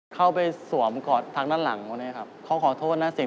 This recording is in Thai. เขาไปสวมกรอบใจกันของความหัง